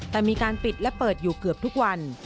แต่มีการปิดและเปิดอยู่เกือบทุกวัน